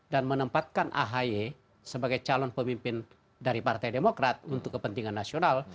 dan menempatkan ahy sebagai calon pemimpin dari partai demokrat untuk kepentingan nasional